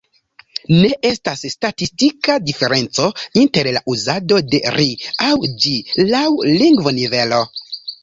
Ne estas statistika diferenco inter la uzado de ”ri” aŭ ”ĝi” laŭ lingvonivelo.